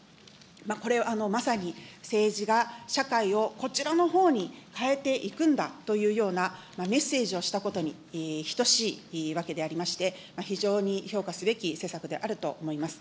これまさに、政治が社会をこちらの方に変えていくんだというようなメッセージをしたことに等しいわけでありまして、非常に評価すべき施策であると思います。